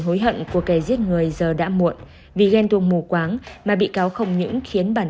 hối hận của kẻ giết người giờ đã muộn vì ghen tuồng mù quáng mà bị cáo không những khiến bản